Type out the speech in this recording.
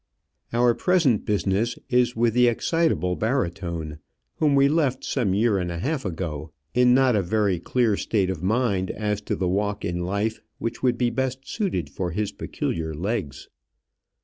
Our present business is with the excitable barytone, whom we left some year and a half ago in not a very clear state of mind as to the walk in life which would be best suited for his peculiar legs.